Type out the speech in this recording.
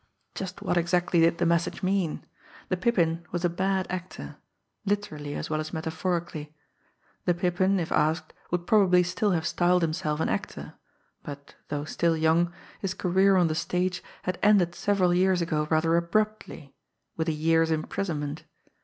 Just what exactly did the message mean? The Pippin was a bad actor literally, as well as metaphorically. The Pippin, if asked, would probably still have styled himself an actor; but, though still young, his career on the stage had ended several years ago rather abruptly with a year's imprisonment!